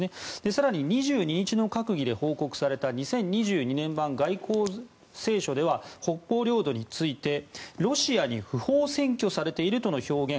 更に２２日の閣議で報告された２０２２年版外交青書では北方領土についてロシアに不法占拠されているとの表現